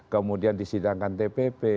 kemudian disidangkan tpp